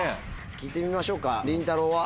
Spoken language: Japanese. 聞いてみましょうかりんたろうは？